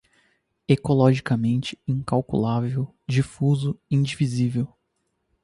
ecologicamente, incalculável, difuso, indivisível